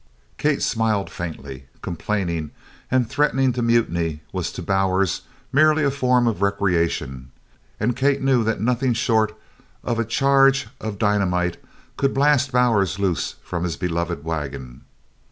'" Kate smiled faintly. Complaining and threatening to mutiny was to Bowers merely a form of recreation and Kate knew that nothing short of a charge of dynamite could blast Bowers loose from his beloved wagon.